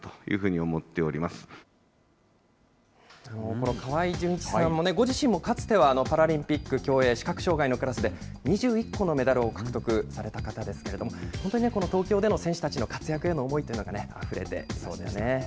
この河合純一さんもね、ご自身もかつてはパラリンピック競泳視覚障害のクラスで、２１個のメダルを獲得された方ですけれども、本当に東京での選手たちの活躍への思いというのがあふれていましたね。